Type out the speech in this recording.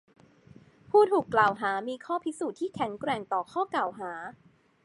ผู้ถูกกล่าวหามีข้อพิสูจน์ที่แข็งแกร่งต่อข้อกล่าวหา